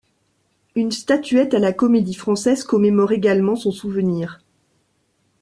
Une statuette à la Comédie-Française commémore également son souvenir.